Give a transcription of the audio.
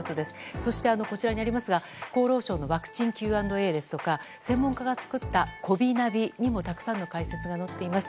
そして、こちらにありますが厚労省のワクチンＱ＆Ａですとか専門家が作った、こびナビにもたくさんの解説が載っています。